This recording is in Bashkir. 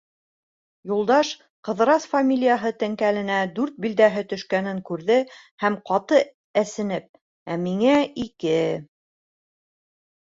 Юлдаш Ҡыҙырас фамилияһы тәңгәленә «дүрт» билдәһе төшкәнен күрҙе һәм, ҡаты әсенеп: «Ә миңә ике...